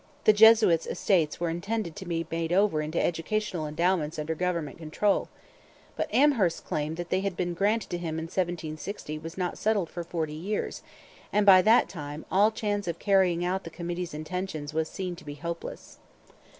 The Jesuits' estates were intended to be made over into educational endowments under government control. But Amherst's claim that they had been granted to him in 1760 was not settled for forty years; and by that time all chance of carrying out the committee's intentions was seen to be hopeless.